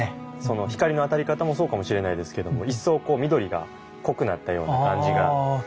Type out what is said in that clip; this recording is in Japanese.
光の当たり方もそうかもしれないですけど一層こう緑が濃くなったような感じがしますね。